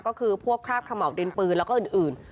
ก็คือพวกคราบเขม่าวดินปืนแล้วก็อื่น